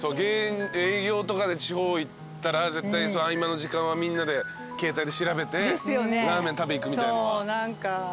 営業とかで地方行ったら絶対合間の時間はみんなで携帯で調べてラーメン食べ行くみたいのは。